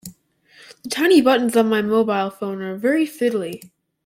The tiny buttons on my mobile phone are very fiddly